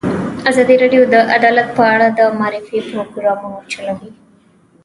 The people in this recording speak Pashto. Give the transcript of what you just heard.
ازادي راډیو د عدالت په اړه د معارفې پروګرامونه چلولي.